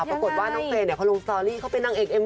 ปรากฏว่าน้องเพลงเนี่ยเขาลงสตอรี่เขาเป็นนางเอกเอ็ม